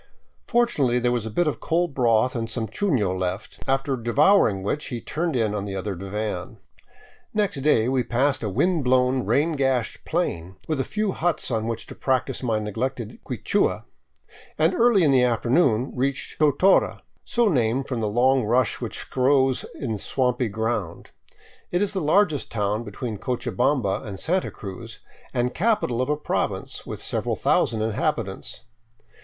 Fortunately there was a bit of cold broth and some chuno left, after devouring which he turned in on the other divan. Next day we passed a wind blown, rain gashed plain, with a few huts on which to practice my neglected Quichua and, early in the afternoon, reached Totora, so named from a long rush which grows in swampy ground. It is the largest town between Cochabamba and Santa Cruz and capital of a province, with several thousand inhabitants.